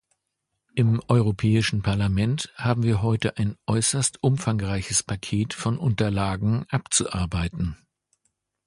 Im Europäischen Parlament haben wir heute ein äußerst umfangreiches Paket von Unterlagen abzuarbeiten.